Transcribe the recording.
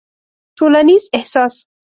ټولنيز احساس